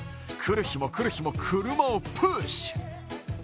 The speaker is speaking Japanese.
来る日も来る日も車をプッシュ。